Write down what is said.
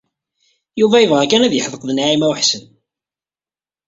Yuba yebɣa kan ad yeḥdeq d Naɛima u Ḥsen.